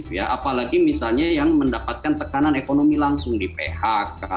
apalagi misalnya yang mendapatkan tekanan ekonomi langsung di phk